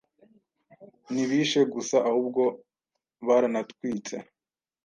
ntibishe gusa ahubwo baranatwitse